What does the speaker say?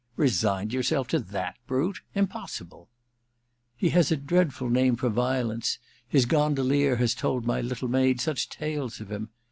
* Resigned yourself to that brute ! Im possible !' *He has a dreadful name for violence — his gondolier has told my little maid such tales of him